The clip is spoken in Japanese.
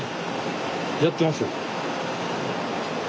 やってますよ。